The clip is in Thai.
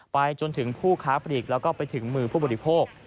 ไปจนถึงผู้ค้าปลีกแล้วก็ไปถึงมือผู้บริโภค